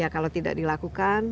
kalau tidak dilakukan